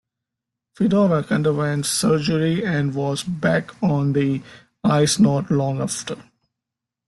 Fedoruk underwent surgery and was back on the ice not long after.